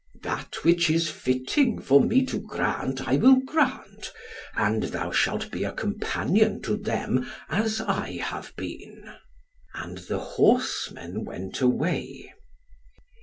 "That which is fitting for me to grant I will grant, and thou shalt be a companion to them as I have been." And the horseman went away.